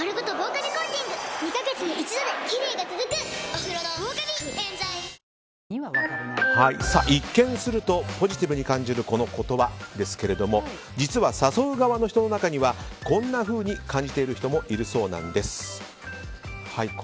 「お風呂の防カビくん煙剤」一見するとポジティブに感じるこの言葉ですが実は誘う側の人の中にはこんなふうに感じている人もいるそうなんです。